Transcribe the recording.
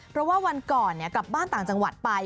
เพราะว่าวันก่อนกลับบ้านต่างจังหวัดไป